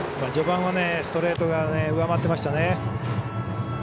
序盤はストレートが上回っていましたね。